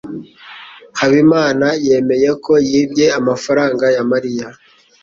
Habimana yemeye ko yibye amafaranga ya Mariya.